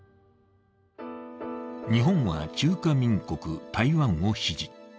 日本は中華民国＝台湾を支持。